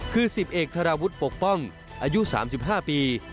คือ๑๐เอกธาราวุฒิปกป้องอายุ๓๕ปี